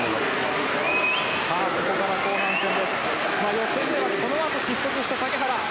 予選ではこのあと失速した竹原。